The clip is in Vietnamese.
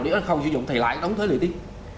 nếu anh không sử dụng thì lại đóng thuế liệt tiết